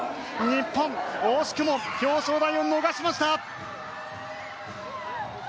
日本、惜しくも表彰台を逃しました。